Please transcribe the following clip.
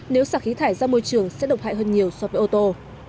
nếu sạc khí thải ra môi trường sẽ động hại hơn nhiều so với ô tô